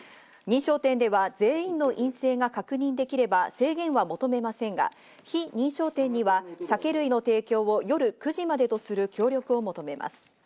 認証店では全員の陰性が確認できれば制限は求めませんが非認証店には酒類の提供を夜９時までとする協力を求めます。